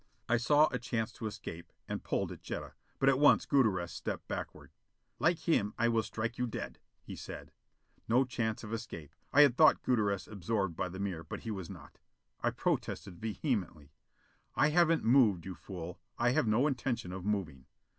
I saw a chance to escape, and pulled at Jetta. But at once Gutierrez stepped backward. "Like him I will strike you dead!" he said. No chance of escape. I had thought Gutierrez absorbed by the mirror, but he was not. I protested vehemently: "I haven't moved, you fool. I have no intention of moving."